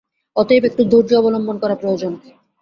অতএব একটু ধৈর্য অবলম্বন করা প্রয়োজন।